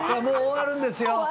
もう終わるんですよ